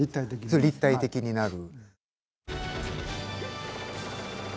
そう立体的になる。